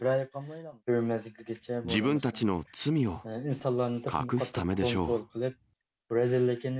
自分たちの罪を隠すためでしょう。